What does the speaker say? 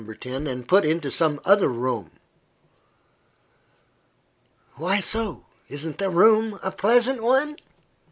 10, and put into some other room." "Why so? Isn't the room a pleasant one?"